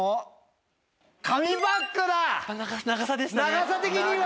長さ的には！